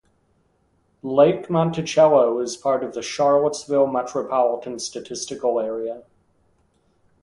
Lake Monticello is part of the Charlottesville Metropolitan Statistical Area.